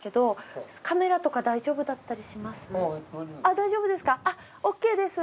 大丈夫ですか？